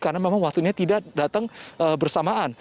karena memang waktunya tidak datang bersamaan